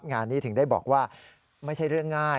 งานนี้ถึงได้บอกว่าไม่ใช่เรื่องง่าย